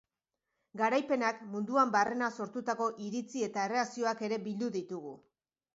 Garaipenak munduan barrena sortutako iritzi eta erreakzioak ere bildu ditugu.